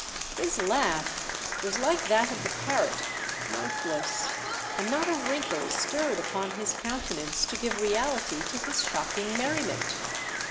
His laugh was like that of the parrot, mirthless ; and not a wrinkle stirred upon his countenance to give reality to his shocking merriment.